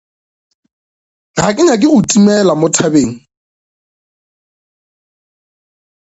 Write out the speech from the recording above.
Ga ke nyake go timela mo dithabeng.